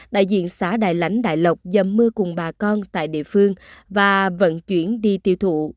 đại diện xã đại lãnh đại lộc dầm mưa cùng bà con tại địa phương và vận chuyển đi tiêu thụ